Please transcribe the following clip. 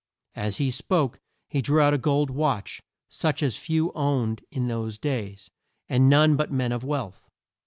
As he spoke he drew out a gold watch, such as few owned in those days, and none but men of wealth.